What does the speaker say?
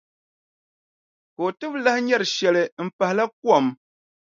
Ka o ti bi lahi nyari shɛli m-pahila kom.